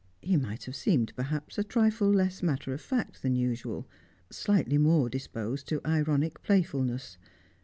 He might have seemed, perhaps, a trifle less matter of fact than usual, slightly more disposed to ironic playfulness.